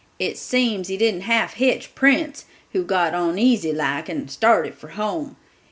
It seems he didn't half hitch Prince, who got oneasy like, and started for home.